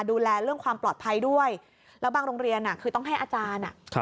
ดูแลเรื่องความปลอดภัยด้วยแล้วบางโรงเรียนคือต้องให้อาจารย์อ่ะ